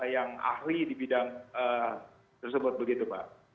yang ahli di bidang tersebut begitu pak